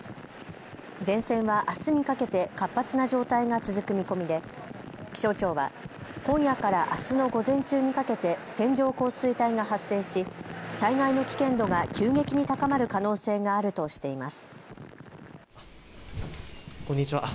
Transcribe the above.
前線はあすにかけて活発な状態が続く見込みで気象庁は今夜からあすの午前中にかけて線状降水帯が発生し災害の危険度が急激に高まる可能性があるとしています。